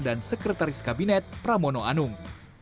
dan sekretaris kabinet pramono anung